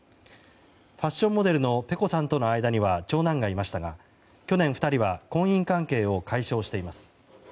ファッションモデルのｐｅｃｏさんとの間には長男がいましたが去年、２人は婚姻関係を解消しています。